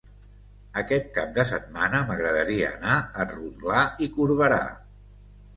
Aquest cap de setmana m'agradaria anar a Rotglà i Corberà.